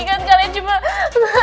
kan kalian cuma